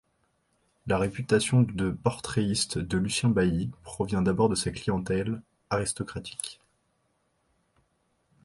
La réputation de portraitiste de Lucien Bailly provient d'abord de sa clientèle aristocratique.